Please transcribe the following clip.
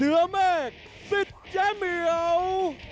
เนื้อแมก๑๐เจมส์